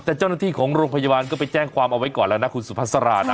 แต่เจ้าหน้าที่ของโรงพยาบาลก็ไปแจ้งความเอาไว้ก่อนแล้วนะคุณสุภาษานะ